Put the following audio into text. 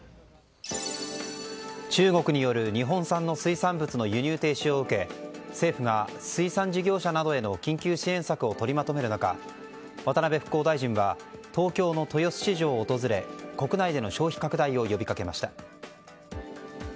中国による日本産の水産物の輸入停止を受け政府が水産事業者などへの緊急支援策を取りまとめる中、渡辺復興大臣は東京の豊洲市場を訪れ国内での消費拡大を呼びかけました。